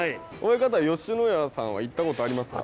親方「野家」さんは行った事ありますか？